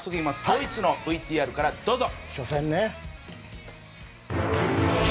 ドイツのＶＴＲからどうぞ。